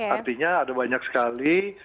artinya ada banyak sekali